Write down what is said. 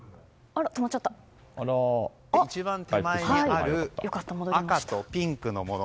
まず、一番手前にある赤とピンクのもの。